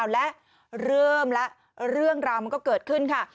แล้วเริ่มแล้วเรื่องราวมันก็เกิดขึ้นค่ะ